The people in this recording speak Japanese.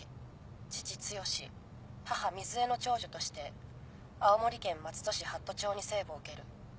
父毅母瑞江の長女として青森県松土市八斗町に生をうける。